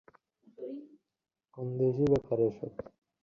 কোন দেশী ব্যাপার এসব?